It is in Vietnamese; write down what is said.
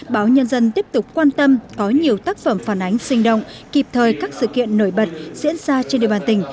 báo nhân dân tiếp tục quan tâm có nhiều tác phẩm phản ánh sinh động kịp thời các sự kiện nổi bật diễn ra trên địa bàn tỉnh